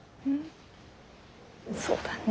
そうだね。